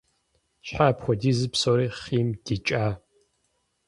Щхьэ апхуэдизу псори хъийм дикӀа?